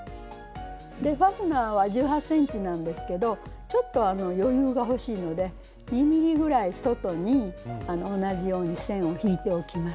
でファスナーは１８ｃｍなんですけどちょっと余裕がほしいので２ｍｍぐらい外に同じように線を引いておきます。